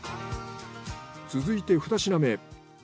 続いて２品目。